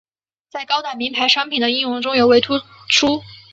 在高档名牌商品的应用中尤为突出。